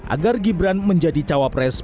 agar gibran menjadi cawapresiden